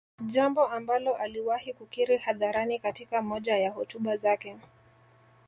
Jambo ambalo aliwahi kukiri hadharani katika moja ya hotuba zake